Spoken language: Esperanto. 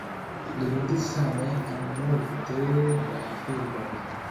Li ludis same en multe da filmoj.